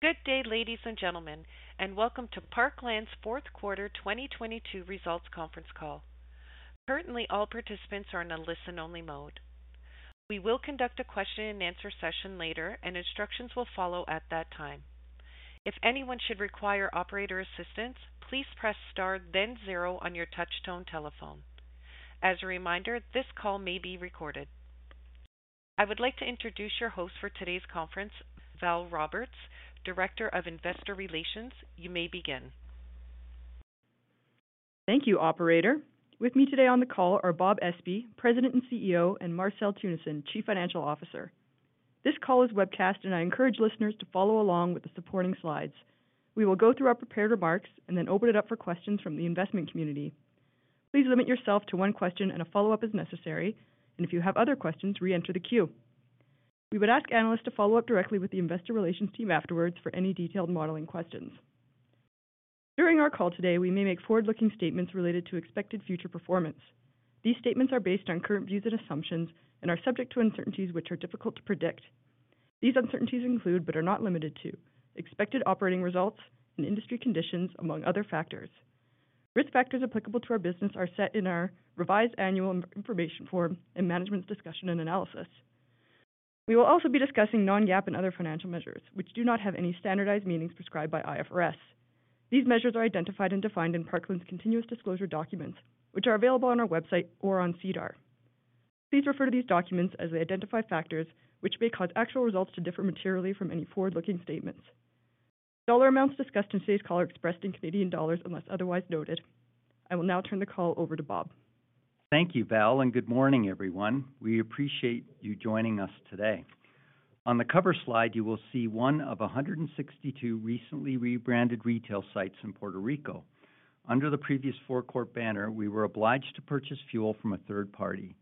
Good day, ladies and gentlemen, welcome to Parkland's Fourth Quarter 2022 Results Conference Call. Currently, all participants are in a listen-only mode. We will conduct a question-and-answer session later, and instructions will follow at that time. If anyone should require operator assistance, please press star, then zero on your touch-tone telephone. As a reminder, this call may be recorded. I would like to introduce your host for today's conference, Valerie Roberts, Director of Investor Relations. You may begin. Thank you, operator. With me today on the call are Bob Espey, President and CEO, and Marcel Teunissen, Chief Financial Officer. This call is webcast. I encourage listeners to follow along with the supporting slides. We will go through our prepared remarks and then open it up for questions from the investment community. Please limit yourself to one question and a follow-up as necessary. If you have other questions, re-enter the queue. We would ask analysts to follow up directly with the investor relations team afterwards for any detailed modeling questions. During our call today, we may make forward-looking statements related to expected future performance. These statements are based on current views and assumptions and are subject to uncertainties which are difficult to predict. These uncertainties include, but are not limited to, expected operating results and industry conditions, among other factors. Risk factors applicable to our business are set in our revised Annual Information Form and Management's Discussion and Analysis. We will also be discussing non-GAAP and other financial measures which do not have any standardized meanings prescribed by IFRS. These measures are identified and defined in Parkland's continuous disclosure documents, which are available on our website or on SEDAR. Please refer to these documents as they identify factors which may cause actual results to differ materially from any forward-looking statements. Dollar amounts discussed in today's call are expressed in Canadian dollars unless otherwise noted. I will now turn the call over to Bob. Thank you, Val. Good morning, everyone. We appreciate you joining us today. On the cover slide, you will see one of 162 recently rebranded retail sites in Puerto Rico. Under the previous four-core banner, we were obliged to purchase fuel from a third party.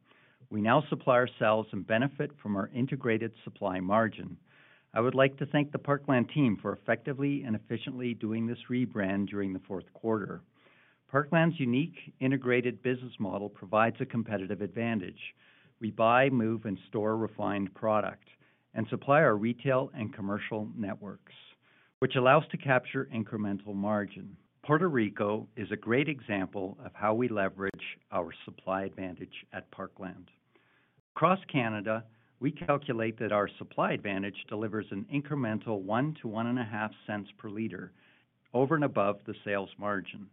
We now supply ourselves and benefit from our integrated supply margin. I would like to thank the Parkland team for effectively and efficiently doing this rebrand during the fourth quarter. Parkland's unique integrated business model provides a competitive advantage. We buy, move, and store refined product and supply our retail and commercial networks, which allows to capture incremental margin. Puerto Rico is a great example of how we leverage our supply advantage at Parkland. Across Canada, we calculate that our supply advantage delivers an incremental 0.01- CAD 0.015 per liter over and above the sales margin.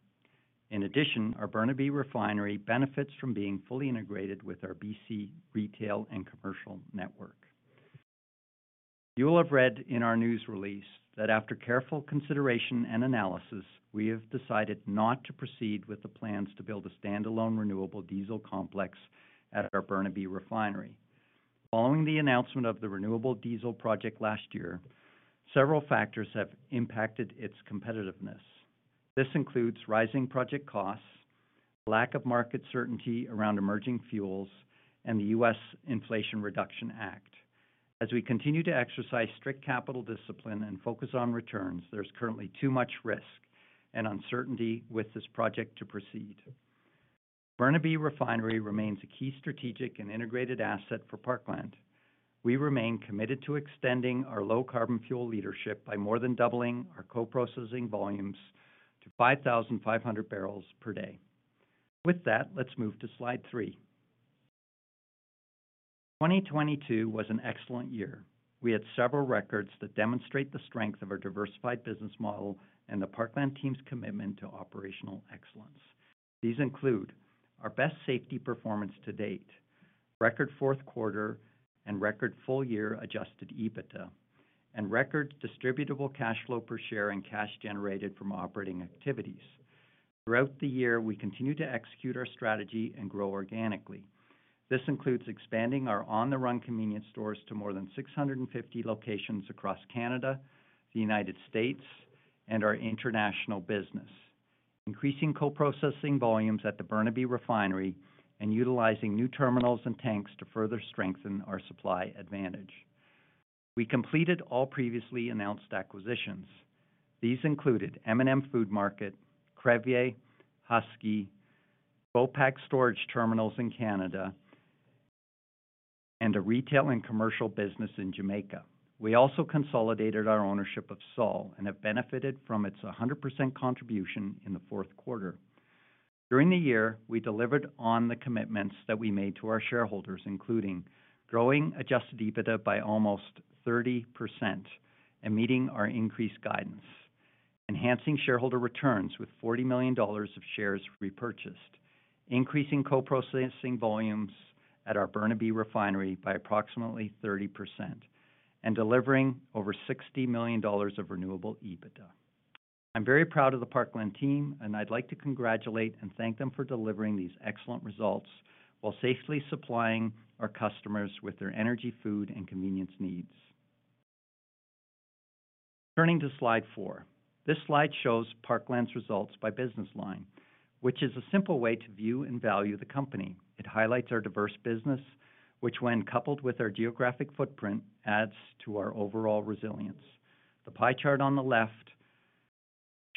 Our Burnaby Refinery benefits from being fully integrated with our BC retail and commercial network. You will have read in our news release that after careful consideration and analysis, we have decided not to proceed with the plans to build a standalone renewable diesel complex at our Burnaby Refinery. Following the announcement of the renewable diesel project last year, several factors have impacted its competitiveness. This includes rising project costs, lack of market certainty around emerging fuels, and the U.S. Inflation Reduction Act. We continue to exercise strict capital discipline and focus on returns, there's currently too much risk and uncertainty with this project to proceed. Burnaby Refinery remains a key strategic and integrated asset for Parkland. We remain committed to extending our low carbon fuel leadership by more than doubling our co-processing volumes to 5,500 bpd. Let's move to slide three. 2022 was an excellent year. We had several records that demonstrate the strength of our diversified business model and the Parkland team's commitment to operational excellence. These include our best safety performance to date, record fourth quarter and record full-year Adjusted EBITDA, and record distributable cash flow per share and cash generated from operating activities. Throughout the year, we continued to execute our strategy and grow organically. This includes expanding our ON the RUN convenience stores to more than 650 locations across Canada, the United States, and our international business, increasing co-processing volumes at the Burnaby Refinery, and utilizing new terminals and tanks to further strengthen our supply advantage. We completed all previously announced acquisitions. These included M&M Food Market, Crevier, Husky, Bopac Storage Terminals in Canada, and a retail and commercial business in Jamaica. We also consolidated our ownership of Sol and have benefited from its 100% contribution in the fourth quarter. During the year, we delivered on the commitments that we made to our shareholders, including growing Adjusted EBITDA by almost 30% and meeting our increased guidance, enhancing shareholder returns with 40 million dollars of shares repurchased, increasing co-processing volumes at our Burnaby Refinery by approximately 30%, and delivering over 60 million dollars of renewable EBITDA. I'm very proud of the Parkland team, and I'd like to congratulate and thank them for delivering these excellent results while safely supplying our customers with their energy, food, and convenience needs. Turning to slide four. This slide shows Parkland's results by business line, which is a simple way to view and value the company. It highlights our diverse business, which when coupled with our geographic footprint, adds to our overall resilience. The pie chart on the left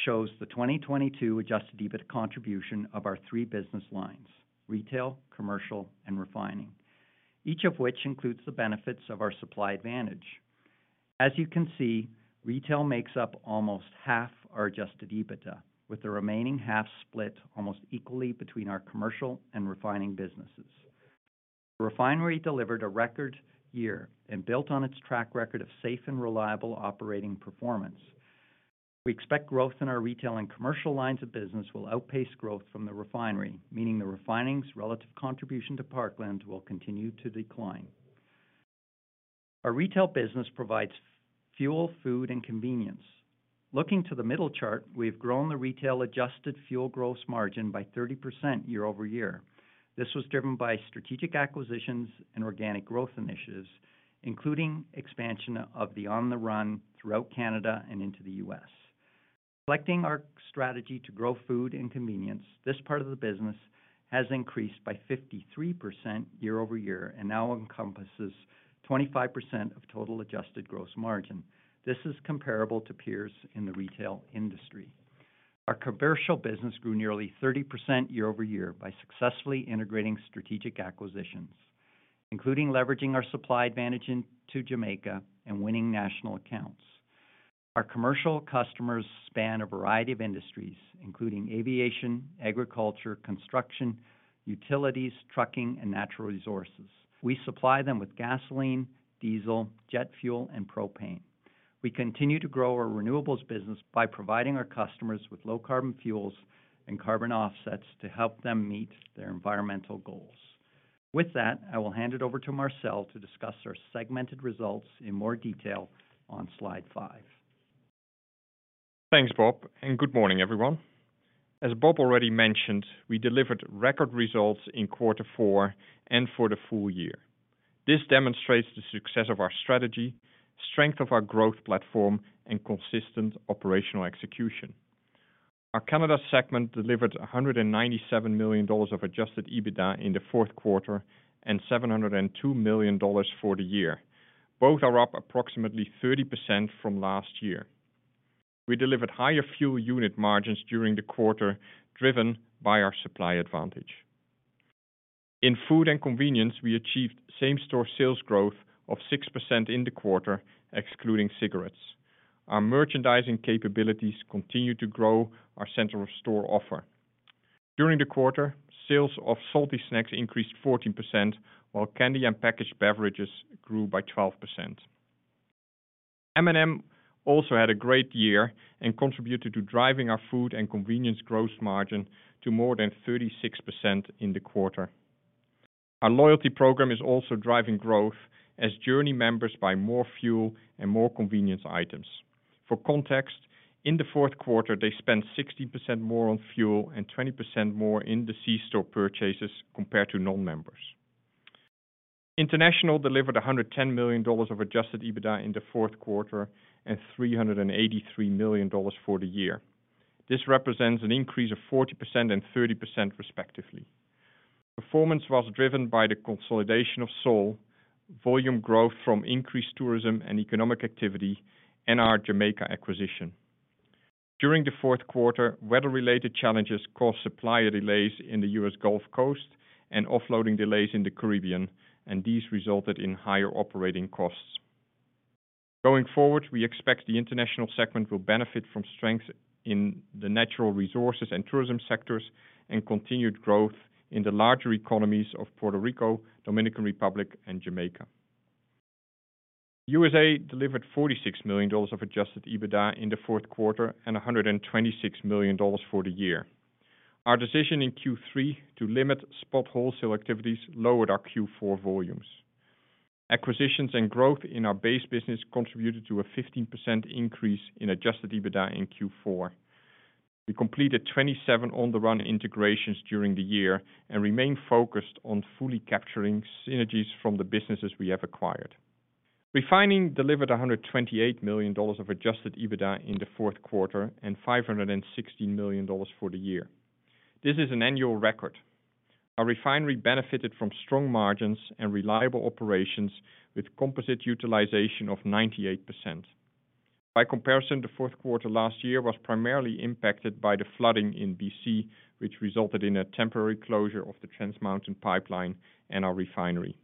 shows the 2022 Adjusted EBITDA contribution of our three business lines, retail, commercial, and refining, each of which includes the benefits of our supply advantage. As you can see, retail makes up almost half our Adjusted EBITDA, with the remaining half split almost equally between our commercial and refining businesses. Refinery delivered a record year and built on its track record of safe and reliable operating performance. We expect growth in our retail and commercial lines of business will outpace growth from the refinery, meaning the refining's relative contribution to Parkland will continue to decline. Our retail business provides fuel, food, and convenience. Looking to the middle chart, we've grown the retail adjusted fuel gross margin by 30% year-over-year. This was driven by strategic acquisitions and organic growth initiatives, including expansion of the ON the RUN throughout Canada and into the U.S. Selecting our strategy to grow food and convenience, this part of the business has increased by 53% year-over-year and now encompasses 25% of total adjusted gross margin. This is comparable to peers in the retail industry. Our commercial business grew nearly 30% year-over-year by successfully integrating strategic acquisitions, including leveraging our supply advantage into Jamaica and winning national accounts. Our commercial customers span a variety of industries, including aviation, agriculture, construction, utilities, trucking, and natural resources. We supply them with gasoline, diesel, jet fuel, and propane. We continue to grow our renewables business by providing our customers with low carbon fuels and carbon offsets to help them meet their environmental goals. With that, I will hand it over to Marcel to discuss our segmented results in more detail on slide five. Thanks, Bob. Good morning, everyone. As Bob already mentioned, we delivered record results in quarter four and for the full year. This demonstrates the success of our strategy, strength of our growth platform, and consistent operational execution. Our Canada segment delivered 197 million dollars of Adjusted EBITDA in the fourth quarter and 702 million dollars for the year. Both are up approximately 30% from last year. We delivered higher fuel unit margins during the quarter, driven by our supply advantage. In food and convenience, we achieved same-store sales growth of 6% in the quarter, excluding cigarettes. Our merchandising capabilities continue to grow our center-of-store offer. During the quarter, sales of salty snacks increased 14%, while candy and packaged beverages grew by 12%. M&M also had a great year and contributed to driving our food and convenience gross margin to more than 36% in the quarter. Our loyalty program is also driving growth as JOURNIE members buy more fuel and more convenience items. For context, in the fourth quarter, they spent 16% more on fuel and 20% more in the C-store purchases compared to non-members. International delivered 110 million dollars of Adjusted EBITDA in the fourth quarter, and 383 million dollars for the year. This represents an increase of 40% and 30% respectively. Performance was driven by the consolidation of Sol, volume growth from increased tourism and economic activity, and our Jamaica acquisition. During the fourth quarter, weather-related challenges caused supplier delays in the U.S. Gulf Coast and offloading delays in the Caribbean, and these resulted in higher operating costs. Going forward, we expect the international segment will benefit from strength in the natural resources and tourism sectors, and continued growth in the larger economies of Puerto Rico, Dominican Republic, and Jamaica. USA delivered 46 million dollars of Adjusted EBITDA in the fourth quarter, and 126 million dollars for the year. Our decision in Q3 to limit spot wholesale activities lowered our Q4 volumes. Acquisitions and growth in our base business contributed to a 15% increase in Adjusted EBITDA in Q4. We completed 27 ON the RUN integrations during the year and remain focused on fully capturing synergies from the businesses we have acquired. Refining delivered 128 million dollars of Adjusted EBITDA in the fourth quarter and 560 million dollars for the year. This is an annual record. Our refinery benefited from strong margins and reliable operations with composite utilization of 98%. The fourth quarter last year was primarily impacted by the flooding in BC, which resulted in a temporary closure of the Trans Mountain pipeline and our refinery.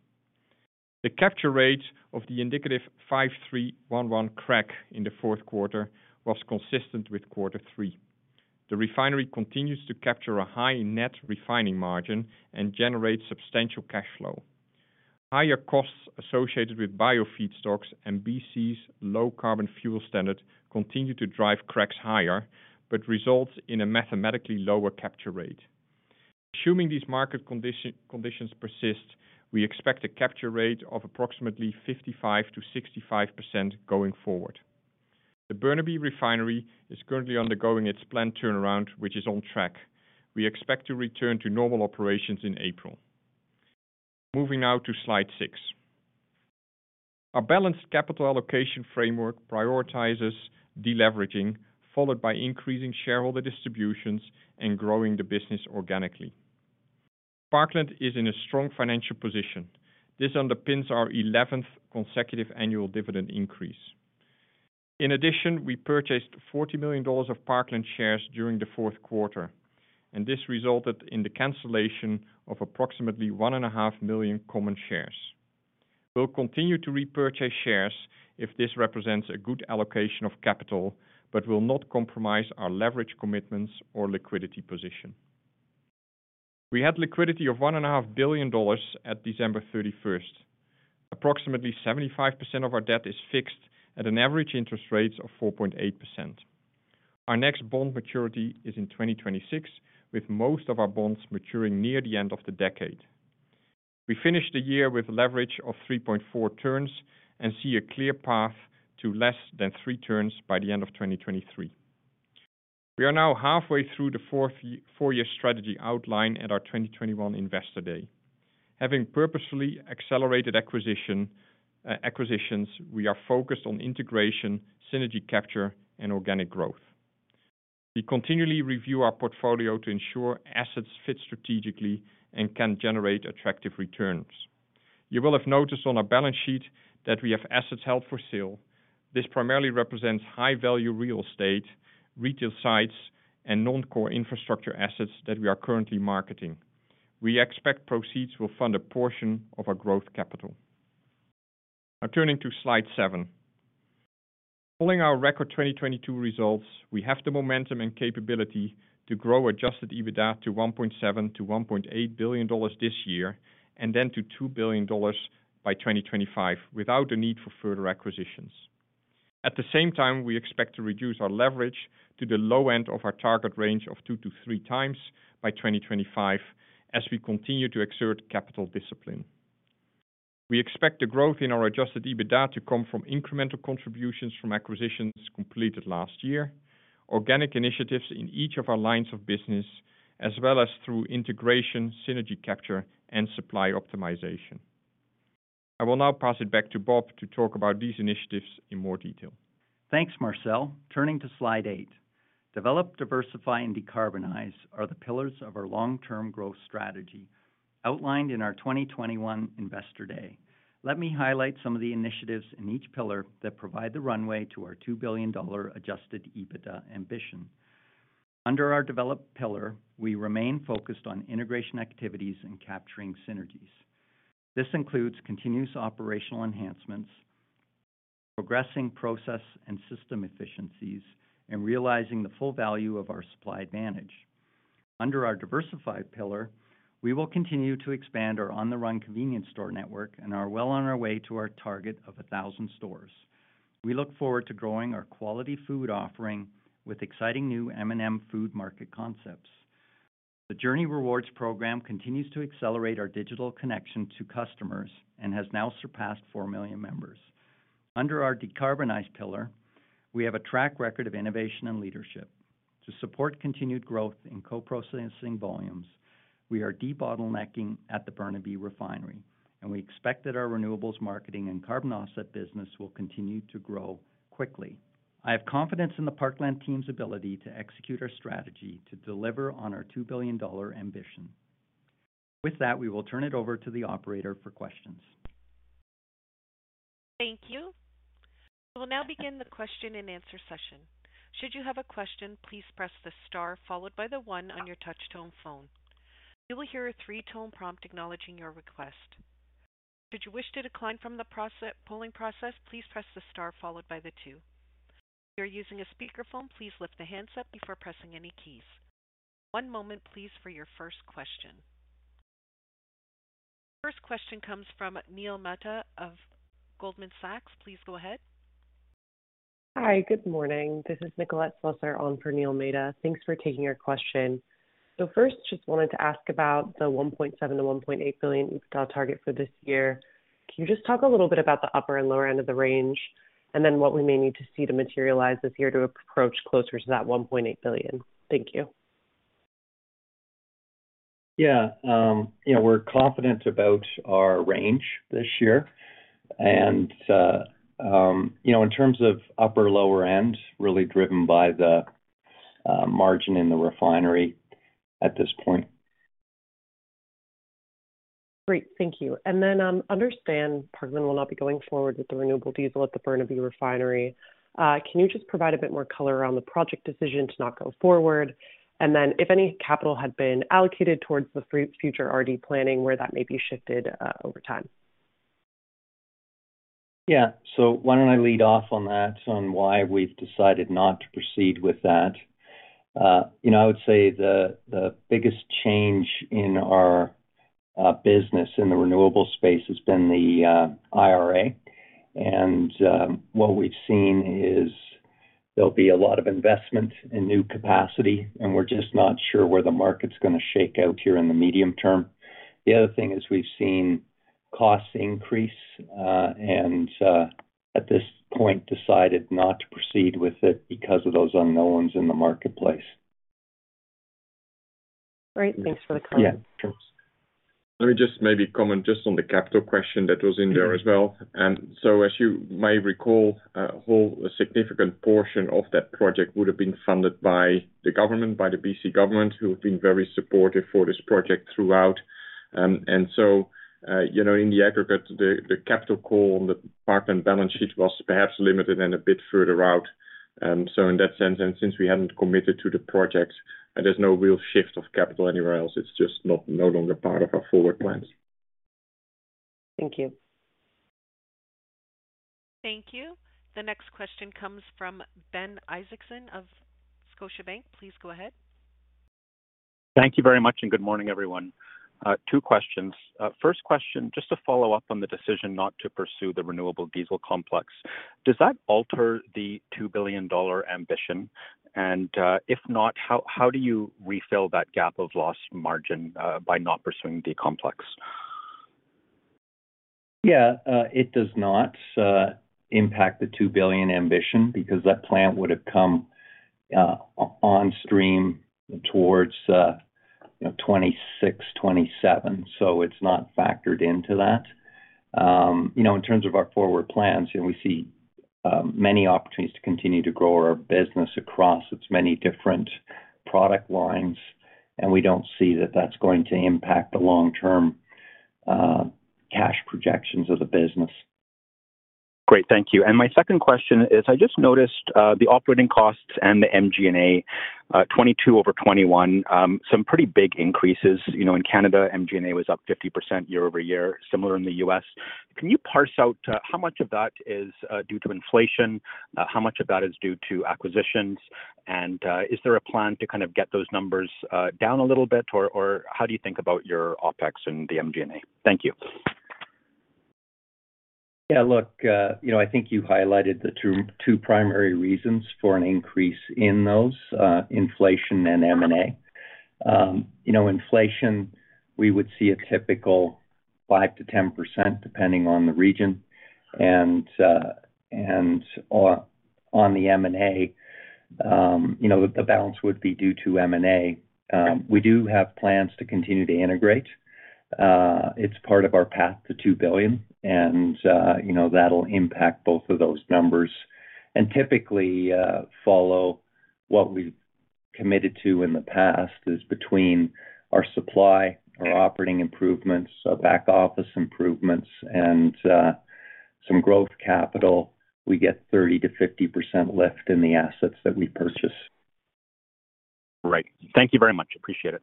The capture rate of the indicative 5-3-1-1 crack in the fourth quarter was consistent with quarter three. The refinery continues to capture a high net refining margin and generates substantial cash flow. Higher costs associated with biofeedstocks and BC's low carbon fuel standard continue to drive cracks higher, results in a mathematically lower capture rate. Assuming these market conditions persist, we expect a capture rate of approximately 55%-65% going forward. The Burnaby Refinery is currently undergoing its planned turnaround, which is on track. We expect to return to normal operations in April. Moving now to slide six. Our balanced capital allocation framework prioritizes deleveraging, followed by increasing shareholder distributions and growing the business organically. Parkland is in a strong financial position. This underpins our eleventh consecutive annual dividend increase. In addition, we purchased 40 million dollars of Parkland shares during the fourth quarter, and this resulted in the cancellation of approximately 1.5 million common shares. We'll continue to repurchase shares if this represents a good allocation of capital, but will not compromise our leverage commitments or liquidity position. We had liquidity of one and a 500,000 dollars at December 31st. Approximately 75% of our debt is fixed at an average interest rates of 4.8%. Our next bond maturity is in 2026, with most of our bonds maturing near the end of the decade. We finished the year with leverage of three. Four turns and see a clear path to less than three turns by the end of 2023. We are now halfway through the four-year strategy outline at our 2021 Investor Day. Having purposefully accelerated acquisitions, we are focused on integration, synergy capture, and organic growth. We continually review our portfolio to ensure assets fit strategically and can generate attractive returns. You will have noticed on our balance sheet that we have assets held for sale. This primarily represents high-value real estate, retail sites, and non-core infrastructure assets that we are currently marketing. We expect proceeds will fund a portion of our growth capital. Now, turning to slide seven. Following our record 2022 results, we have the momentum and capability to grow Adjusted EBITDA to 1.7 billion-1.8 billion dollars this year, and then to 2 billion dollars by 2025 without the need for further acquisitions. At the same time, we expect to reduce our leverage to the low end of our target range of 2x to 3x by 2025 as we continue to exert capital discipline. We expect the growth in our Adjusted EBITDA to come from incremental contributions from acquisitions completed last year, organic initiatives in each of our lines of business, as well as through integration, synergy capture, and supply optimization. I will now pass it back to Bob to talk about these initiatives in more detail. Thanks, Marcel. Turning to slide eight. Develop, diversify, and decarbonize are the pillars of our long-term growth strategy outlined in our 2021 Investor Day. Let me highlight some of the initiatives in each pillar that provide the runway to our 2 billion dollar Adjusted EBITDA ambition. Under our Develop pillar, we remain focused on integration activities and capturing synergies. This includes continuous operational enhancements, progressing process and system efficiencies, and realizing the full value of our supply advantage. Under our Diversify pillar, we will continue to expand our ON the RUN convenience store network and are well on our way to our target of 1,000 stores. We look forward to growing our quality food offering with exciting new M&M Food Market concepts. The JOURNIE Rewards program continues to accelerate our digital connection to customers and has now surpassed 4 million members. Under our Decarbonize pillar, we have a track record of innovation and leadership. To support continued growth in co-processing volumes, we are debottlenecking at the Burnaby Refinery, and we expect that our renewables marketing and carbon offset business will continue to grow quickly. I have confidence in the Parkland team's ability to execute our strategy to deliver on our 2 billion dollar ambition. With that, we will turn it over to the operator for questions. Thank you. We'll now begin the question and answer session. Should you have a question, please press the star followed by the one on your touch tone phone. You will hear a three-tone prompt acknowledging your request. Should you wish to decline from the polling process, please press the star followed by the two. If you are using a speakerphone, please lift the handset before pressing any keys. One moment please for your first question. First question comes from Neil Mehta of Goldman Sachs. Please go ahead. Hi. Good morning. This is Nicolette Loeser on for Neil Mehta. Thanks for taking our question. First, just wanted to ask about the 1.7 billion-1.8 billion EBITDA target for this year. Can you just talk a little bit about the upper and lower end of the range, and then what we may need to see to materialize this year to approach closer to that 1.8 billion? Thank you. Yeah. you know, we're confident about our range this year and, you know, in terms of upper, lower end, really driven by the margin in the refinery at this point. Great. Thank you. Understand Parkland will not be going forward with the renewable diesel at the Burnaby Refinery. Can you just provide a bit more color on the project decision to not go forward? If any capital had been allocated towards the future RD planning, where that may be shifted over time? Yeah. Why don't I lead off on that, on why we've decided not to proceed with that. You know, I would say the biggest change in our business in the renewable space has been the IRA. What we've seen is there'll be a lot of investment in new capacity, and we're just not sure where the market's gonna shake out here in the medium term. The other thing is we've seen costs increase, and at this point, decided not to proceed with it because of those unknowns in the marketplace. Great. Thanks for the comment. Yeah, sure. Let me just maybe comment just on the capital question that was in there as well. As you may recall, a whole significant portion of that project would have been funded by the government, by the BC government, who have been very supportive for this project throughout. You know, in the aggregate, the capital call on the Parkland balance sheet was perhaps limited and a bit further out. In that sense, and since we hadn't committed to the project, there's no real shift of capital anywhere else. It's just no longer part of our forward plans. Thank you. Thank you. The next question comes from Ben Isaacson of Scotiabank. Please go ahead. Thank you very much. Good morning, everyone. Two questions. First question, just to follow up on the decision not to pursue the renewable diesel complex. Does that alter the 2 billion dollar ambition? If not, how do you refill that gap of lost margin by not pursuing the complex? Yeah, it does not impact the 2 billion ambition because that plant would have come on stream towards 2026, 2027. It's not factored into that. You know, in terms of our forward plans, you know, we see many opportunities to continue to grow our business across its many different product lines, and we don't see that that's going to impact the long-term cash projections of the business. Great. Thank you. My second question is, I just noticed the operating costs and the MG&A 2022 over 2021, some pretty big increases. You know, in Canada, MG&A was up 50% year-over-year, similar in the U.S. Can you parse out how much of that is due to inflation? How much of that is due to acquisitions? Is there a plan to kind of get those numbers down a little bit? Or how do you think about your OpEx and the MG&A? Thank you. Yeah, look, you know, I think you highlighted the two primary reasons for an increase in those, inflation and M&A. You know, inflation, we would see a typical 5%-10%, depending on the region. On the M&A, you know, the balance would be due to M&A. We do have plans to continue to integrate. It's part of our path to 2 billion. You know, that'll impact both of those numbers. Typically, follow what we've committed to in the past is between our supply, our operating improvements, our back-office improvements, and some growth capital, we get 30%-50% lift in the assets that we purchase. Right. Thank you very much. Appreciate it.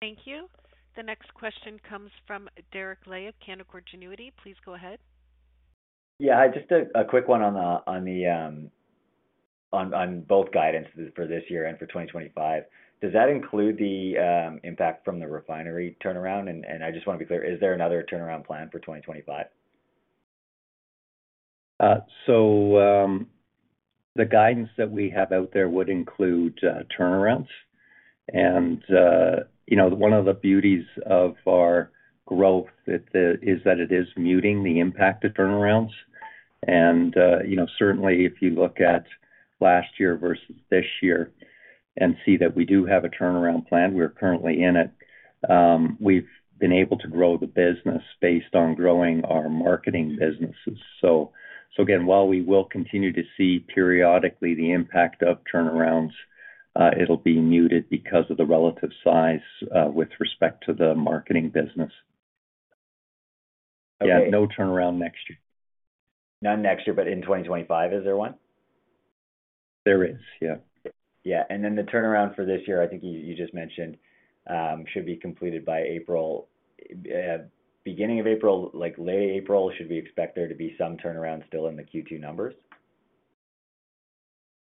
Thank you. The next question comes from Derek Dley of Canaccord Genuity. Please go ahead. Yeah, just a quick one on both guidances for this year and for 2025. Does that include the impact from the refinery turnaround? I just want to be clear, is there another turnaround plan for 2025? The guidance that we have out there would include turnarounds. You know, one of the beauties of our growth that is that it is muting the impact of turnarounds. You know, certainly if you look at last year versus this year and see that we do have a turnaround plan, we're currently in it, we've been able to grow the business based on growing our marketing businesses. Again, while we will continue to see periodically the impact of turnarounds, it'll be muted because of the relative size with respect to the marketing business. Okay. Yeah, no turnaround next year. None next year, but in 2025, is there one? There is, yeah. Yeah. The turnaround for this year, I think you just mentioned, should be completed by April. Beginning of April, like late April, should we expect there to be some turnaround still in the Q2 numbers? Yeah,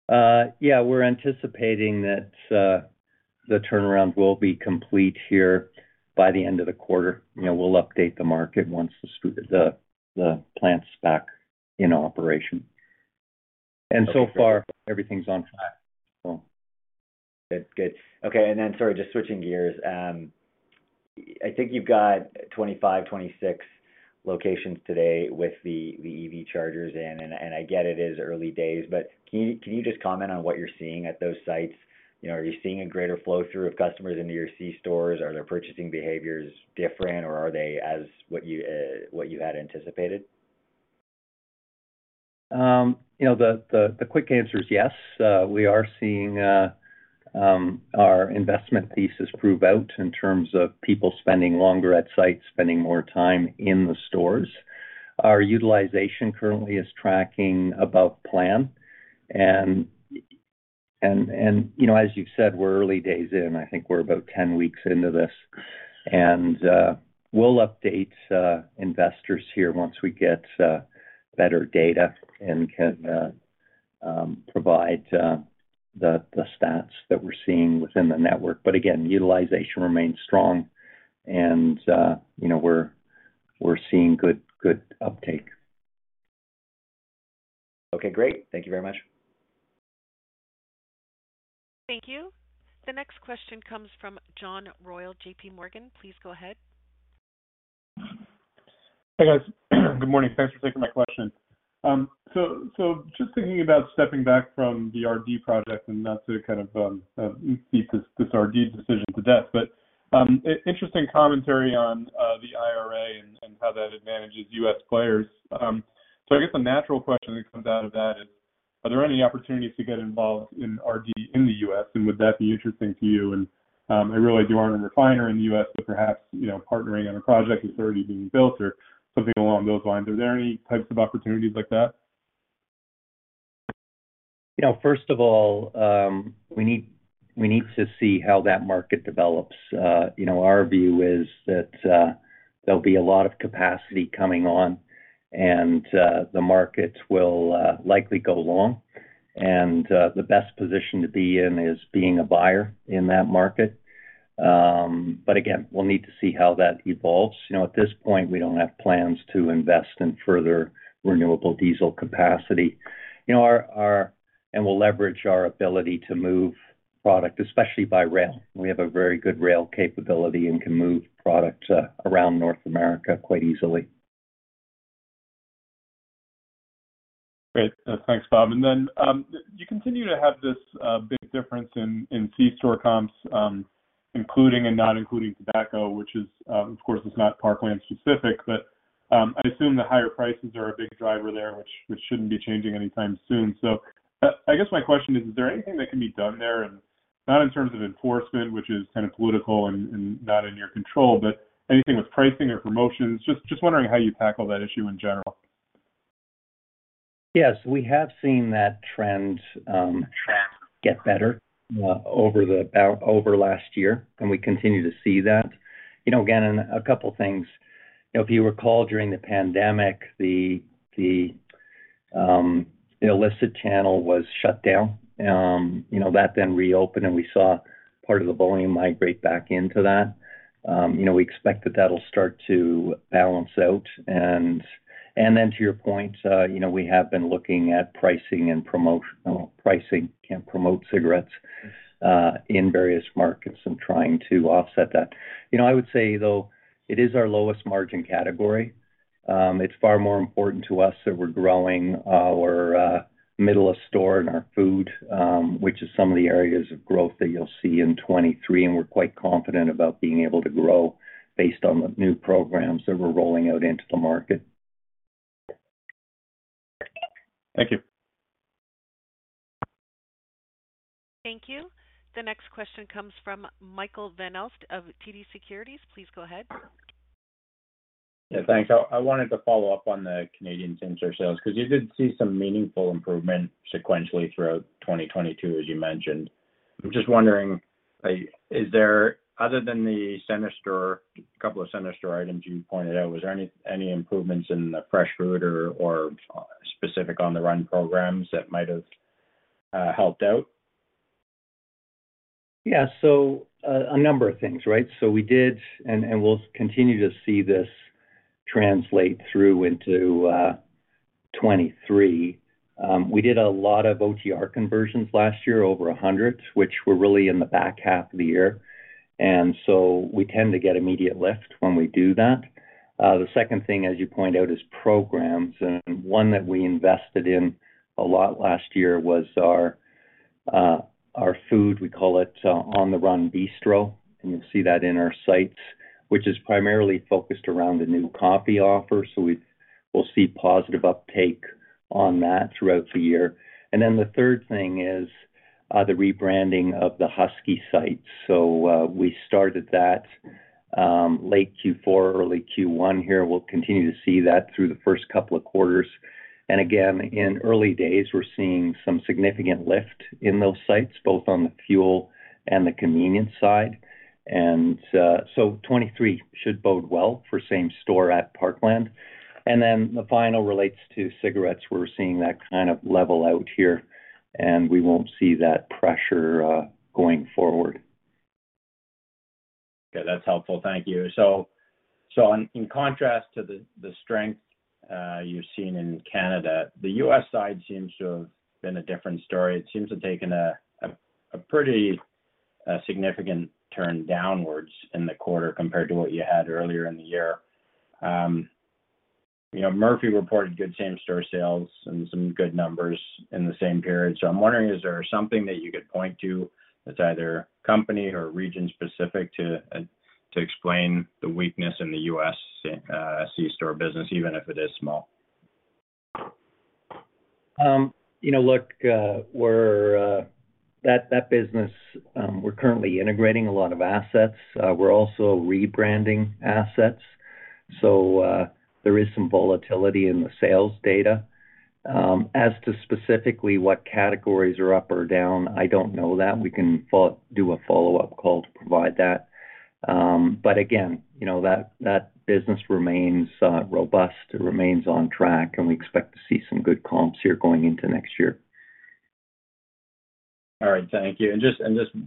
we're anticipating that the turnaround will be complete here by the end of the quarter. You know, we'll update the market once the plant's back in operation. So far, everything's on track. That's good. Okay. Sorry, just switching gears. I think you've got 25, 26 locations today with the EV chargers in, and I get it is early days, but can you just comment on what you're seeing at those sites? You know, are you seeing a greater flow through of customers into your C stores? Are their purchasing behaviors different, or are they as what you had anticipated? You know, the quick answer is yes. We are seeing our investment thesis prove out in terms of people spending longer at site, spending more time in the stores. Our utilization currently is tracking above plan. And, you know, as you've said, we're early days in. I think we're about 10 weeks into this. We'll update investors here once we get better data and can provide the stats that we're seeing within the network. But again, utilization remains strong and, you know, we're seeing good uptake. Okay, great. Thank you very much. Thank you. The next question comes from John Royall, JPMorgan. Please go ahead. Hey guys, good morning. Thanks for taking my question. Just thinking about stepping back from the RD project and not to kind of beat this RD decision to death, but interesting commentary on the IRA and how that advantages U.S. players. I guess the natural question that comes out of that is, are there any opportunities to get involved in RD in the U.S., and would that be interesting to you? I realize you aren't a refiner in the U.S., but perhaps, you know, partnering on a project that's already being built or something along those lines. Are there any types of opportunities like that? You know, first of all, we need to see how that market develops. You know, our view is that there'll be a lot of capacity coming on and the markets will likely go long. The best position to be in is being a buyer in that market. Again, we'll need to see how that evolves. You know, at this point, we don't have plans to invest in further renewable diesel capacity. You know, we'll leverage our ability to move product, especially by rail. We have a very good rail capability and can move product around North America quite easily. Great. Thanks, Bob. You continue to have this big difference in C-store comps, including and not including tobacco, which is, of course, is not Parkland specific. I assume the higher prices are a big driver there, which shouldn't be changing anytime soon. I guess my question is there anything that can be done there? Not in terms of enforcement, which is kind of political and not in your control, but anything with pricing or promotions? Just wondering how you tackle that issue in general. Yes, we have seen that trend get better over last year, and we continue to see that. You know, again, a couple things. You know, if you recall, during the pandemic, the illicit channel was shut down. You know, that then reopened, and we saw part of the volume migrate back into that. You know, we expect that that'll start to balance out. Then to your point, you know, we have been looking at pricing and pricing can promote cigarettes in various markets and trying to offset that. You know, I would say, though, it is our lowest margin category. It's far more important to us that we're growing our middle of store and our food, which is some of the areas of growth that you'll see in 2023.We're quite confident about being able to grow based on the new programs that we're rolling out into the market. Thank you. Thank you. The next question comes from Michael Van Aelst of TD Securities. Please go ahead. Yeah, thanks. I wanted to follow up on the Canadian same-store sales, because you did see some meaningful improvement sequentially throughout 2022, as you mentioned. I'm just wondering, like, is there other than the center store, couple of center store items you pointed out, was there any improvements in the fresh food or specific ON the RUN programs that might have helped out? Yeah. A number of things, right? We did, and we'll continue to see this translate through into 2023. We did a lot of OTR conversions last year, over 100, which were really in the back half of the year. We tend to get immediate lift when we do that. The second thing, as you point out, is programs. One that we invested in a lot last year was our food. We call it ON the RUN Bistro, and you'll see that in our sites, which is primarily focused around a new coffee offer. We'll see positive uptake on that throughout the year. The third thing is the rebranding of the Husky sites. We started that late Q4, early Q1 here. We'll continue to see that through the first couple of quarters. Again, in early days, we're seeing some significant lift in those sites, both on the fuel and the convenience side. 23 should bode well for same store at Parkland. The final relates to cigarettes. We're seeing that kind of level out here, and we won't see that pressure going forward. Okay, that's helpful. Thank you. In contrast to the strength you've seen in Canada, the U.S. side seems to have been a different story. It seems to have taken a pretty significant turn downwards in the quarter compared to what you had earlier in the year. You know, Murphy reported good same-store sales and some good numbers in the same period. I'm wondering, is there something that you could point to that's either company or region specific to explain the weakness in the U.S. store business, even if it is small? You know, look, we're... That business, we're currently integrating a lot of assets. We're also rebranding assets. There is some volatility in the sales data. As to specifically what categories are up or down, I don't know that. We can do a follow-up call to provide that. Again, you know, that business remains robust. It remains on track, and we expect to see some good comps here going into next year. All right. Thank you. Just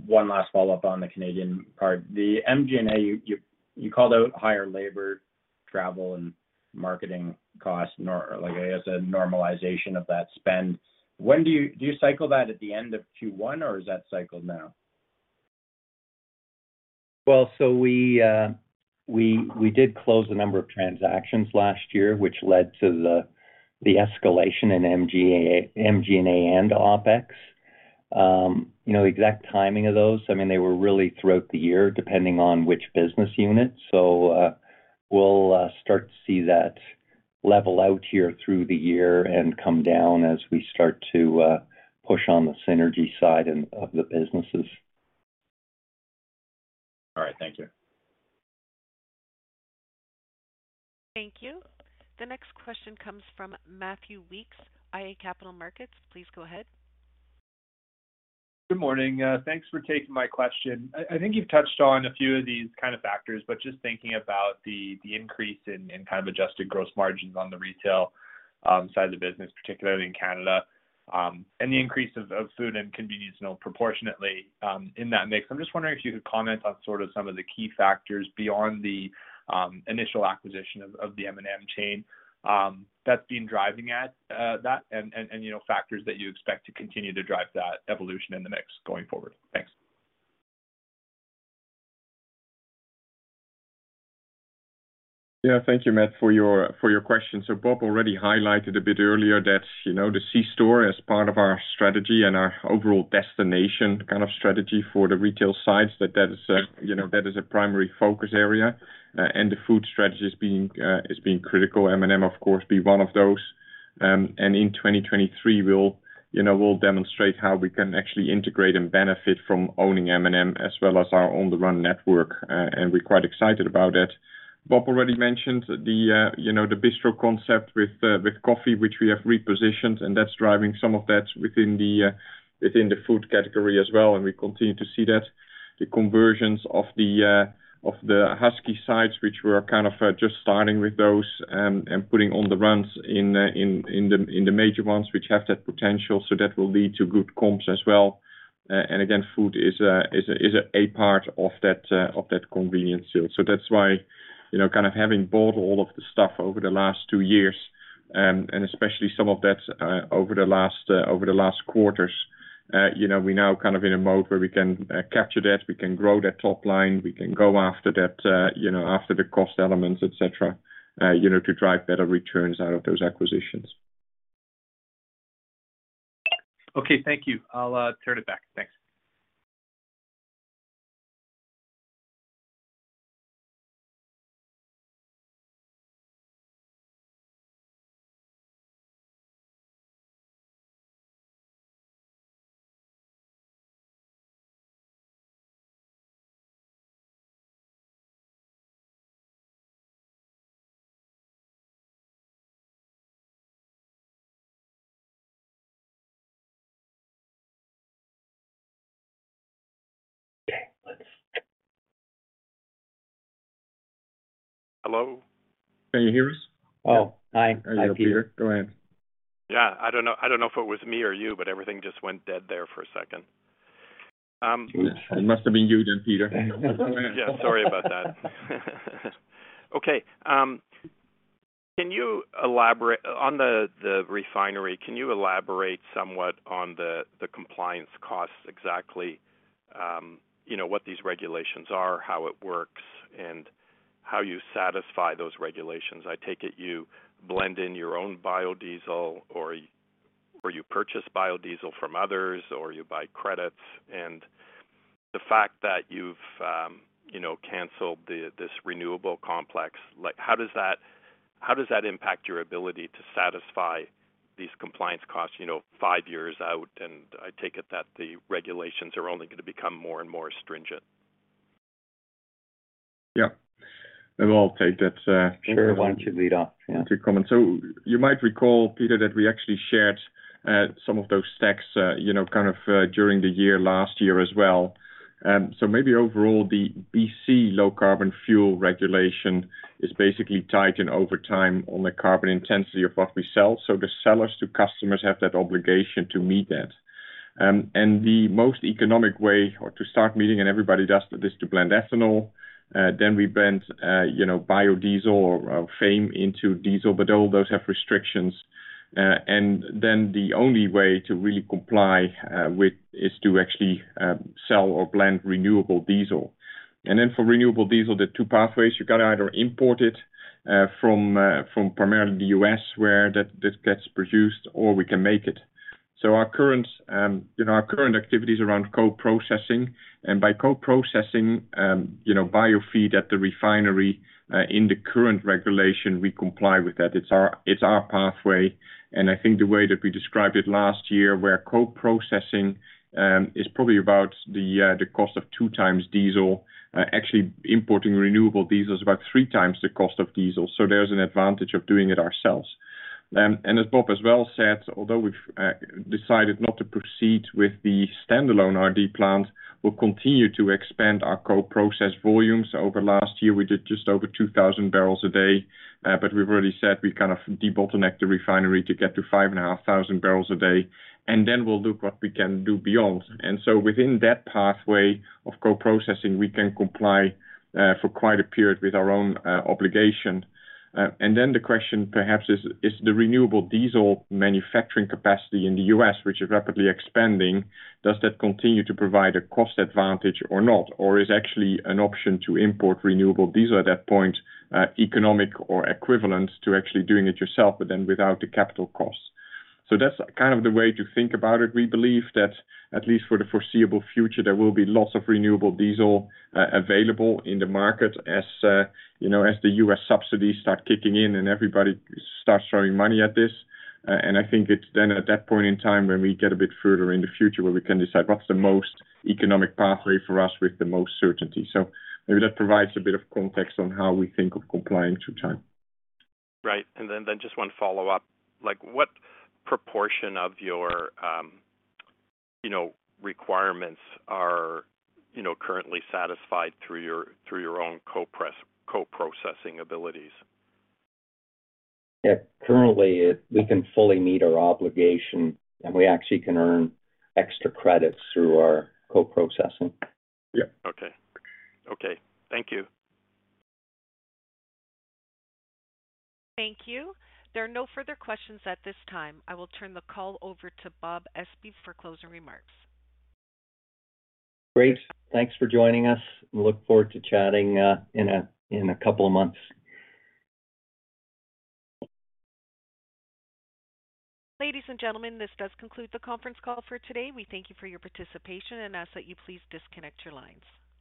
one last follow-up on the Canadian part. The MG&A, you called out higher labor, travel, and marketing costs like, I guess, a normalization of that spend. Do you cycle that at the end of Q1, or is that cycled now? Well, we did close a number of transactions last year, which led to the escalation in MG&A and OpEx. you know, exact timing of those, I mean, they were really throughout the year, depending on which business unit. we'll start to see that level out here through the year and come down as we start to push on the synergy side of the businesses. All right. Thank you. Thank you. The next question comes from Matthew Weekes, iA Capital Markets. Please go ahead. Good morning. Thanks for taking my question. I think you've touched on a few of these kind of factors, but just thinking about the increase in kind of adjusted gross margins on the retail side of the business, particularly in Canada, and the increase of food and convenience, you know, proportionately, in that mix. I'm just wondering if you could comment on sort of some of the key factors beyond the initial acquisition of the M&M chain that's been driving at that and, you know, factors that you expect to continue to drive that evolution in the mix going forward. Thanks. Yeah. Thank you, Matt, for your, for your question. Bob already highlighted a bit earlier that, you know, the C-store as part of our strategy and our overall destination kind of strategy for the retail sites, that that is a, you know, that is a primary focus area. The food strategy is being critical. M&M, of course, being one of those. In 2023, we'll, you know, we'll demonstrate how we can actually integrate and benefit from owning M&M as well as our ON the RUN network. We're quite excited about it. Bob already mentioned the, you know, the Bistro concept with coffee, which we have repositioned, and that's driving some of that within the food category as well, and we continue to see that. The conversions of the Husky sites, which we are kind of just starting with those, and putting ON the RUNs in the major ones which have that potential. That will lead to good comps as well. And again, food is a part of that convenience yield. That's why, you know, kind of having bought all of the stuff over the last two years, and especially some of that over the last quarters, you know, we're now kind of in a mode where we can capture that, we can grow that top line, we can go after that, you know, after the cost elements, et cetera, you know, to drive better returns out of those acquisitions. Okay. Thank you. I'll turn it back. Thanks. Okay. Hello? Can you hear us? Oh, hi. Hi, Peter. Go ahead. I don't know, I don't know if it was me or you, but everything just went dead there for a second. It must have been you then, Peter. Yeah. Sorry about that. Okay. Can you elaborate... On the refinery, can you elaborate somewhat on the compliance costs, exactly, you know, what these regulations are, how it works, and how you satisfy those regulations? I take it you blend in your own biodiesel or you purchase biodiesel from others or you buy credits. The fact that you've, you know, canceled this renewable complex, like how does that impact your ability to satisfy these compliance costs, you know, five years out? I take it that the regulations are only gonna become more and more stringent. Yeah. I will take that. Sure, why don't you lead off? Yeah. Good comment. You might recall, Peter, that we actually shared some of those stacks, you know, kind of during the year last year as well. Maybe overall the BC Low Carbon Fuel Regulation is basically tightened over time on the carbon intensity of what we sell. The sellers to customers have that obligation to meet that. The most economic way or to start meeting, and everybody does this, to blend ethanol. We blend, you know, biodiesel or FAME into diesel, but all those have restrictions. The only way to really comply with is to actually sell or blend renewable diesel. For renewable diesel, the two pathways, you gotta either import it from primarily the U.S. where that gets produced or we can make it. Our current, you know, our current activities around co-processing and by co-processing, you know, biofeed at the refinery, in the current regulation, we comply with that. It's our, it's our pathway. I think the way that we described it last year, where co-processing is probably about the cost of 2x diesel. Actually importing renewable diesel is about 3x the cost of diesel. There's an advantage of doing it ourselves. As Bob as well said, although we've decided not to proceed with the standalone RD plant, we'll continue to expand our co-process volumes. Over last year, we did just over 2,000 bpd. We've already said we kind of debottleneck the refinery to get to 5,500 bpd, and then we'll look what we can do beyond. Within that pathway of co-processing, we can comply for quite a period with our own obligation. The question perhaps is the renewable diesel manufacturing capacity in the U.S., which is rapidly expanding, does that continue to provide a cost advantage or not? Is actually an option to import renewable diesel at that point economic or equivalent to actually doing it yourself, but then without the capital costs? That's kind of the way to think about it. We believe that at least for the foreseeable future, there will be lots of renewable diesel available in the market as, you know, as the U.S. subsidies start kicking in and everybody starts throwing money at this. I think it's then at that point in time when we get a bit further in the future where we can decide what's the most economic pathway for us with the most certainty. Maybe that provides a bit of context on how we think of complying through time. Right. Then just one follow-up. Like, what proportion of your, you know, requirements are, you know, currently satisfied through your own co-processing abilities? Yeah. Currently, we can fully meet our obligation, and we actually can earn extra credits through our co-processing. Yeah. Okay. Okay. Thank you. Thank you. There are no further questions at this time. I will turn the call over to Bob Espey for closing remarks. Great. Thanks for joining us. We look forward to chatting, in a couple of months. Ladies and gentlemen, this does conclude the conference call for today. We thank you for your participation and ask that you please disconnect your lines.